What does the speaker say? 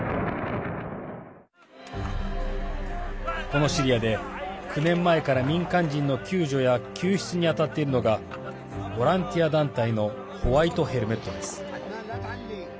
このシリアで９年前から民間人の救助や救出に当たっているのがボランティア団体のホワイト・ヘルメットです。